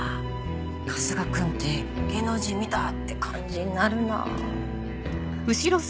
春日君って「芸能人見た！」って感じになるな。